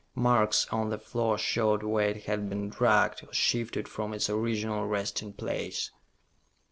Marks on the floor showed where it had been dragged or shifted from its original resting place.